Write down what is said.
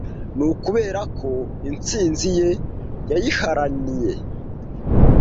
ni ukubera ko instinzi ye yayiharaniye